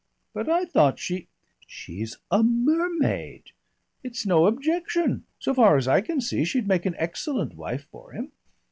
"But I thought she " "She's a mermaid." "It's no objection. So far as I can see, she'd make an excellent wife for him.